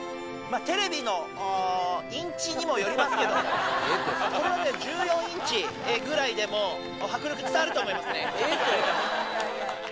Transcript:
テレビのインチにもよりますけど、これはね、１４インチぐらいでも、迫力伝わると思いますね。